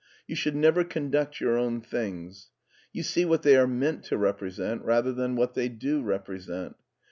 You should never conduct your own things. You see what they are meant to represent rather than what they do represent.